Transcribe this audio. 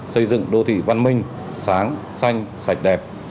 xây dựng đô thị văn minh sáng xanh sạch đẹp